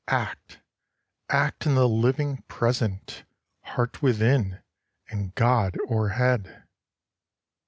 Act, — act in the living Present ! Heart within, and God o'erhead